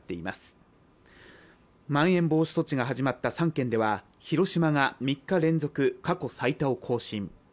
まん延防止措置が始まった３県では広島が３日連続過去最多を更新。